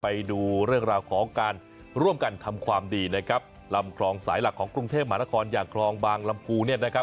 ไปดูเรื่องราวของการร่วมกันทำความดีนะครับลำคลองสายหลักของกรุงเทพมหานครอย่างคลองบางลำพูเนี่ยนะครับ